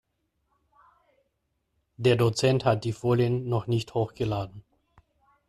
Der Dozent hat die Folien noch nicht hochgeladen.